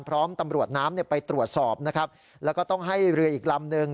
พร้อมตำรวจน้ำเนี่ยไปตรวจสอบนะครับแล้วก็ต้องให้เรืออีกลำนึง